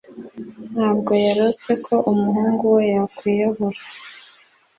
Ntabwo yarose ko umuhungu we yakwiyahura